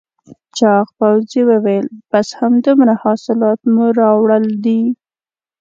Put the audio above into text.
چاغ پوځي وویل بس همدومره حاصلات مو راوړل دي؟